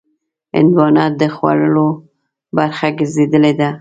هندوانه د خوړو برخه ګرځېدلې ده.